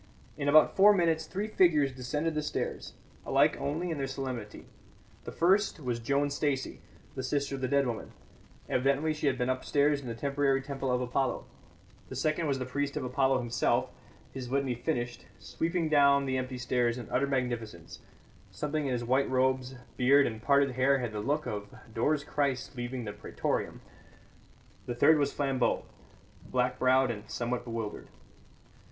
In about four minutes three figures descended the stairs, alike only in their solemnity. The first was Joan Stacey, the sister of the dead woman evidently she had been upstairs in the temporary temple of Apollo; the second was the priest of Apollo himself, his litany finished, sweeping down the empty stairs in utter magnificence something in his white robes, beard and parted hair had the look of Dore's Christ leaving the Pretorium; the third was Flambeau, black browed and somewhat bewildered.